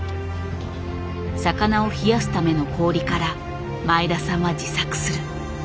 魚を冷やすための氷から前田さんは自作する。